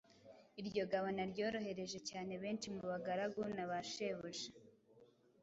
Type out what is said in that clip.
Iryo gabana ryorohereje cyane benshi mu ba garagu na bashebuja.